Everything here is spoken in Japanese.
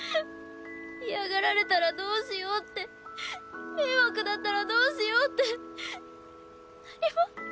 嫌がられたらどうしようって迷惑だったらどうしようって何もできなかった。